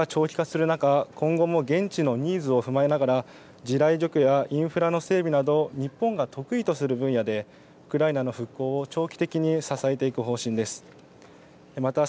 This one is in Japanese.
侵攻が長期化する中、今後も現地のニーズを踏まえながら、地雷除去やインフラの整備など、日本が得意とする分野で、ウクライナの復興を長期的に支えていく方針です。